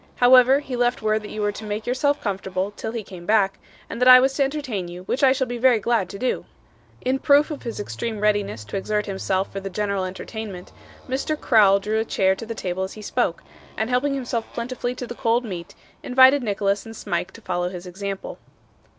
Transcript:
However, he left word that you were to make yourself comfortable till he came back, and that I was to entertain you, which I shall be very glad to do.' In proof of his extreme readiness to exert himself for the general entertainment, Mr. Crowl drew a chair to the table as he spoke, and helping himself plentifully to the cold meat, invited Nicholas and Smike to follow his example.